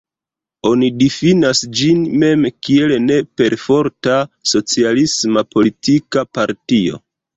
Oni difinas ĝin mem kiel ne-perforta socialisma politika partio.